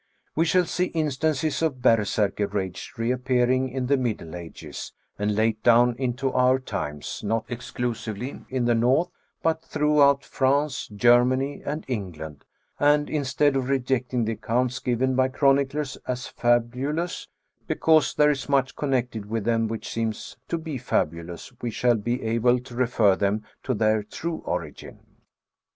We shall see instances of berserkr rage reappearing in the middle ages, and late down into our own times, not exclusively in the North, but throughout France, Ger many, and England, and instead of rejecting the accounts given by chroniclers as fabulous, because there is much connected with them which seems to be fiEtbalous, we shall be able to refer them to their true origin.